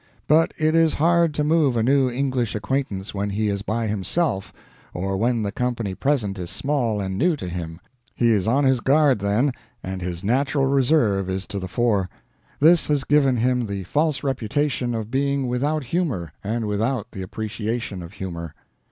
But it is hard to move a new English acquaintance when he is by himself, or when the company present is small and new to him. He is on his guard then, and his natural reserve is to the fore. This has given him the false reputation of being without humor and without the appreciation of humor.